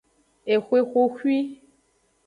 Exwe xoxwi.